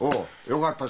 よかった？